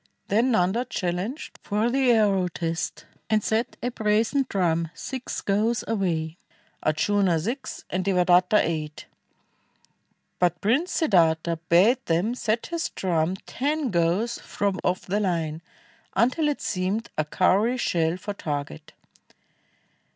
Then Nanda challenged for the arrow test And set a brazen drum six gows away, Ardjuna six and Devadatta eight; But Prince Siddartha bade them set his drum Ten gows from off the Hne, until it seemed A cowry shell for target.